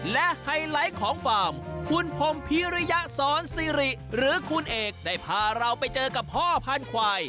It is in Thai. และไฮไลท์ของฟาร์มคุณพรมพิริยสอนซิริหรือคุณเอกได้พาเราไปเจอกับพ่อพันธุ์ควาย